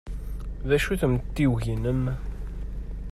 D acu-t umtiweg-nnem?